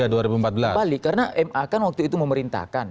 balik karena ma kan waktu itu memerintahkan